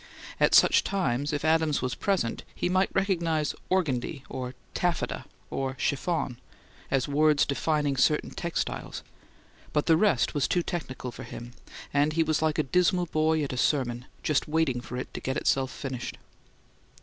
At such times, if Adams was present, he might recognize "organdie," or "taffeta," or "chiffon," as words defining certain textiles, but the rest was too technical for him, and he was like a dismal boy at a sermon, just waiting for it to get itself finished.